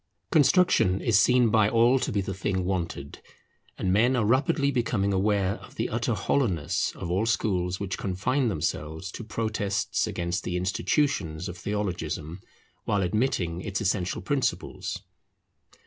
Construction is seen by all to be the thing wanted: and men are rapidly becoming aware of the utter hollowness of all schools which confine themselves to protests against the institutions of theologism, while admitting its essential principles.